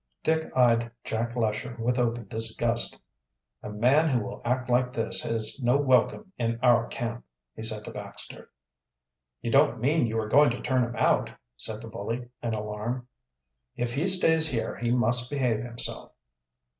Dick eyed Jack Lesher with open disgust. "A man who will act like that has no welcome in our camp," he said to Baxter. "You don't mean you are going to turn him out," said the bully, in alarm. "If he stays here he must behave himself."